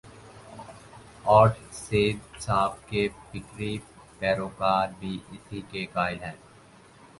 اورسید صاحب کے فکری پیرو کار بھی اسی کے قائل ہیں۔